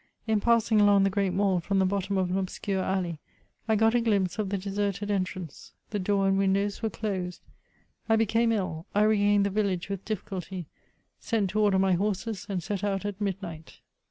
In passing along the Great Mall, from the bottom of an obscure alley I got a gUmpse of the deserted entrance : the door and windows were closed. I became ill ; I Trained the village with di^culty, sent to order my horses, and set out at midnight.